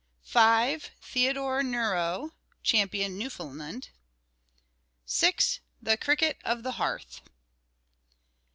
5. THEODORE NERO champion Newfoundland. 6. THE CRICKET OF THE HEARTH.